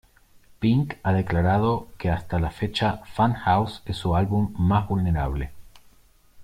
Pink ha declarado que hasta la fecha "Funhouse" es su álbum más vulnerable.